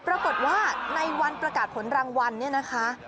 ปรากฏว่าในวันประกาศผลรางวัลเนี่ยนะคะ